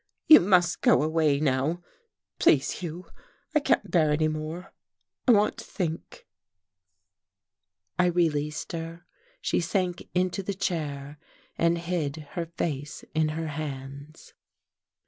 "You must go away now please, Hugh. I can't bear any more I want to think." I released her. She sank into the chair and hid her face in her hands....